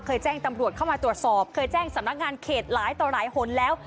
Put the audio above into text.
แจ้งตำรวจเข้ามาตรวจสอบเคยแจ้งสำนักงานเขตหลายต่อหลายหนแล้ว